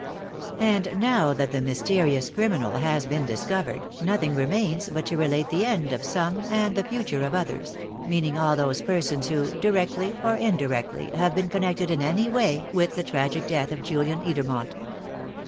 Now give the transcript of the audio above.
And now that the mysterious criminal has been discovered, nothing remains but to relate the end of some and the future of others meaning all those persons who, directly or indirectly, have been connected in any way with the tragic death of Julian Edermont.